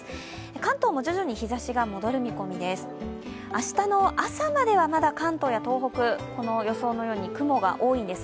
関東も徐々に日ざしが戻る見込みです。